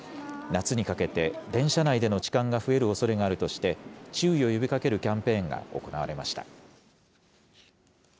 夏にかけて、電車内での痴漢が増えるおそれがあるとして、注意を呼びかけるキャンペーンが行われました。